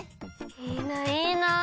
いいないいな。